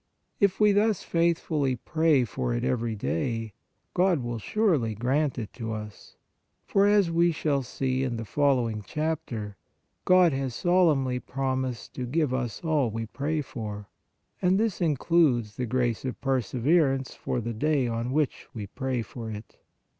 If we thus faithfully pray for it every day, God will surely grant it to us, for as we shall see in the following Chapter, God has solemnly promised to give us all we pray for; and this includes the grace of perse verance for the day on which we pray for it.